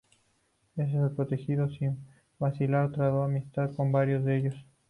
Este los protegió sin vacilar y trabó amistad con varios de ellos.